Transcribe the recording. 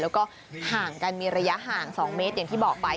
แล้วก็ห่างกันมีระยะห่าง๒เมตรอย่างที่บอกไป